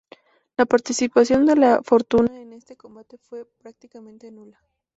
La participación de la "Fortuna" en este combate fue prácticamente nula.